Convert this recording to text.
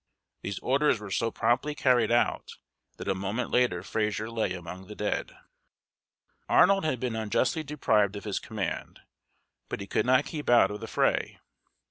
These orders were so promptly carried out that a moment later Fraser lay among the dead. Arnold had been unjustly deprived of his command, but he could not keep out of the fray.